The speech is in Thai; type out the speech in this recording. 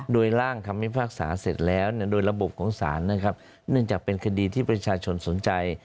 โดยร่างคำพิพากษาเสร็จแล้วโดยระบบของศาลนะครับเนื่องจากเป็นคดีที่ประชาชนสนใจ